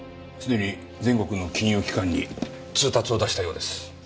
すでに全国の金融機関に通達を出したようです。